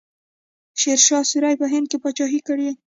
شیرشاه سوري په هند کې پاچاهي کړې.